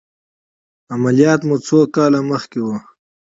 عملیات مو څو کاله مخکې و؟